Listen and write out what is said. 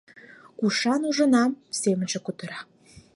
Кушан ужынам? — семынже кутыра.